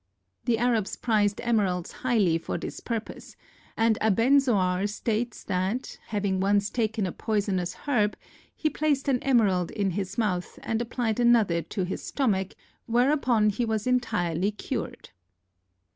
The Arabs prized emeralds highly for this purpose, and Abenzoar states that, having once taken a poisonous herb, he placed an emerald in his mouth and applied another to his stomach, whereupon he was entirely cured.